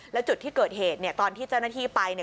แล้วจุดที่เกิดเหตุเนี่ยตอนที่เจ้าหน้าที่ไปเนี่ย